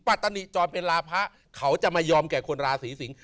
ปัตตานิจรเป็นราพะเขาจะไม่ยอมแก่คนราศีสิงศ